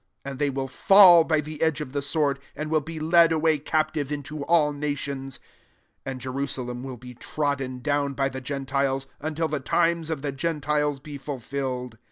24 And they will fall by the edge of the sword, and will be led away captive into all nations : and Jerusalem will be trodden down by the gentiles, until the times of the gentiles be fulfilled.